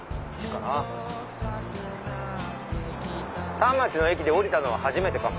反町の駅で降りたのは初めてかも。